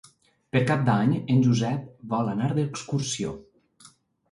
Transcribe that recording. Per Cap d'Any en Josep vol anar d'excursió.